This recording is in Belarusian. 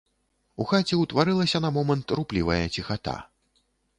У хаце ўтварылася на момант руплівая ціхата.